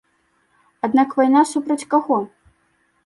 Аднак вайна супраць каго?